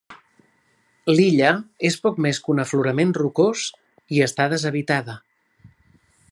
L'illa és poc més que un aflorament rocós i està deshabitada.